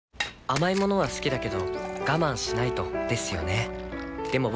甘い物は好きだけど我慢しないとですよね